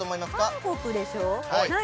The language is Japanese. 韓国でしょ何？